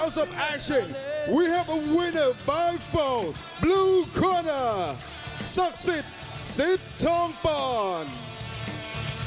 ศักดิ์สิทธิ์สิทธองปอนด์